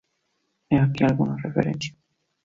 He aquí algunas referencias.